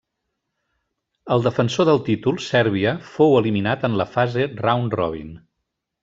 El defensor del títol, Sèrbia, fou eliminat en la fase Round Robin.